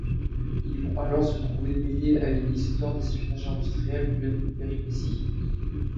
Ils vont alors se trouver mêlés à une histoire d'espionnage industriel, pleine de péripéties.